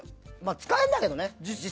使えるんだけどね。